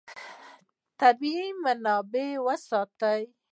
طبیعي منابع وساتئ.